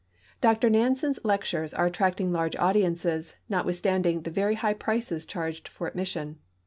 Dr Nansen's lectures are attnuting large aiuliences, not withstanding the very high prices charged for admission.